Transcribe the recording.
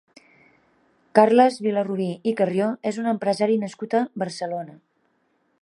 Carles Vilarrubí i Carrió és un empresari nascut a Barcelona.